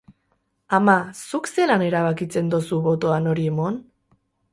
Ama, zuk zelan erabakitzen dozu botoa nori emon?